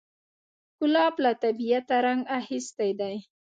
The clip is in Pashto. ګلاب له طبیعته رنګ اخیستی دی.